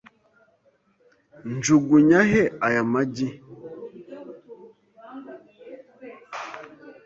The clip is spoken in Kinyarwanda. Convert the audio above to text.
Njugunya he aya magi?